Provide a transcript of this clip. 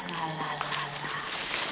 ya lah lah lah lah